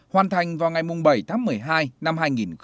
hoàn thành vào ngày bảy tháng một mươi hai năm hai nghìn một mươi năm